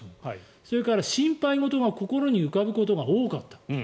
それから心配事が心に浮かぶことが多かった。